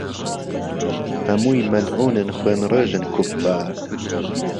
ههموی مهلعوونن خوێن ڕیژن کوففار